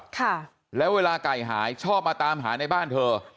ค่ะแล้วเวลาไก่หายชอบมาตามหาในบ้านเธอ